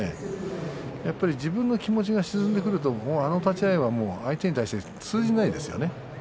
やはり自分の気持ちが沈んでくると、あの立ち合いは相手に対して通じません。